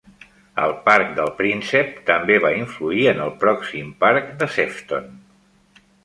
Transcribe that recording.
El Parc del Príncep també va influir en el pròxim Parc de Sefton.